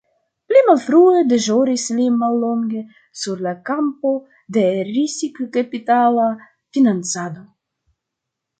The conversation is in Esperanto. Pli malfrue deĵoris li mallonge sur la kampo de risikkapitala financado.